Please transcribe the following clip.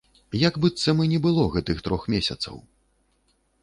Як быццам і не было гэтых трох месяцаў.